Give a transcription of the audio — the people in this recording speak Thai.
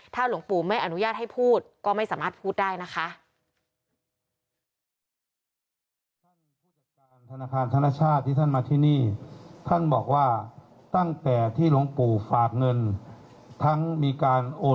ถ้าหลวงปู่ไม่อนุญาตให้พูดก็ไม่สามารถพูดได้นะคะ